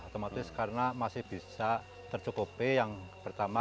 otomatis karena masih bisa tercukupi yang pertama